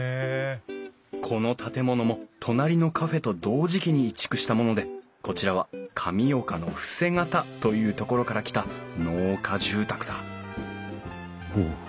この建物も隣のカフェと同時期に移築したものでこちらは神岡の伏方という所から来た農家住宅だおおっ